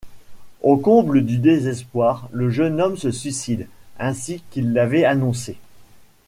Au comble du désespoir, le jeune homme se suicide, ainsi qu'il l'avait annoncé.